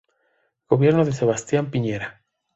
Gobierno de Sebastián Piñera.